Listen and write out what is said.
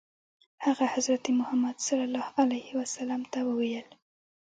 هغه حضرت محمد صلی الله علیه وسلم ته وویل.